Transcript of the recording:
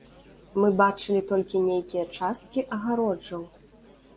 Мы бачылі толькі нейкія часткі агароджаў.